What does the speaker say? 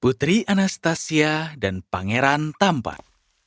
putri anastasia dan pangeran tampan